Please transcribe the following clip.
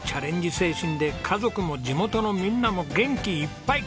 精神で家族も地元のみんなも元気いっぱい！